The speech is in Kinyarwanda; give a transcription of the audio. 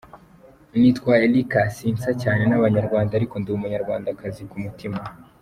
Nitwa Erica, sinsa cyane n’abanyarwanda ariko ndi umunyarwandakazi ku mutima.